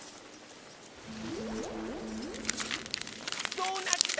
ドーナツだ！